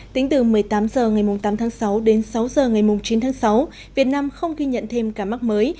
tính từ một mươi tám h ngày tám tháng sáu đến sáu h ngày chín tháng sáu việt nam không ghi nhận thêm ca mắc mới